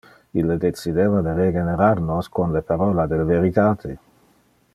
Ille decideva de regenerar nos con le parola del veritate.